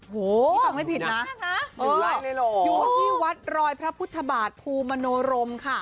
โอ้โหหนึ่งไร่เลยเหรอนี่คำไม่ผิดนะอยู่ที่วัดรอยพระพุทธบาทภูมิโนรมค่ะ